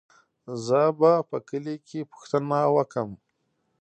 زه به په کلي کې پوښتنه وکم.